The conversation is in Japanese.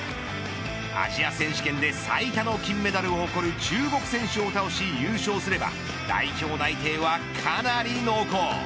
アジア選手権で最多の金メダルを誇る中国選手を倒し優勝すれば、代表内定はかなり濃厚。